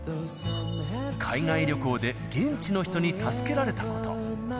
海外旅行で現地の人に助けられたこと。